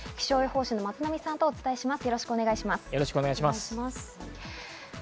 気象予報士の松並さんとお伝えします。